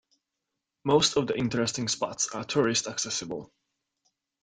Most of the interesting spots are tourist-accessible.